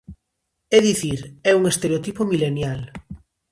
É dicir, é un estereotipo milenial.